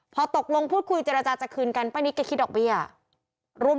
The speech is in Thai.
พอตกลงพูดคุยเจรจาจะคืนกันป้านิดกันคิดออกไหมอ่ะ